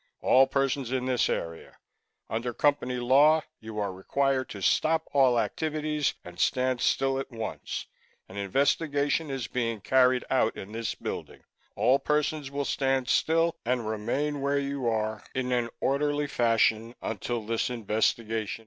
All persons in this area! Under Company law, you are ordered to stop all activities and stand still at once. An investigation is being carried out in this building. All persons will stand still and remain where you are in an orderly fashion until this investigation...."